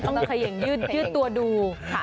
ต้องขยังยืดตัวดู